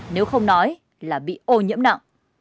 nếu không nói là bị ô nhiễm nặng